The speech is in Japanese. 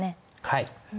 はい。